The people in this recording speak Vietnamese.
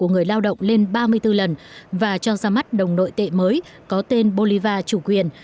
người lao động lên ba mươi bốn lần và cho ra mắt đồng nội tệ mới có tên bolivar chủ quyền